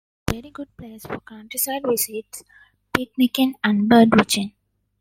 It is a very good place for countryside visits, picnicking and bird watching.